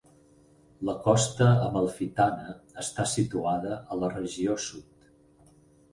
La costa amalfitana està situada a la regió sud.